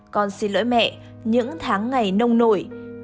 con xin lỗi mẹ những tháng ngày nông nổi